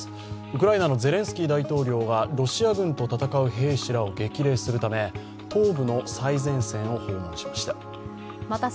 ウクライナのゼレンスキー大統領がロシア軍と戦う兵士らを激励するため東部の最前線を訪問しました。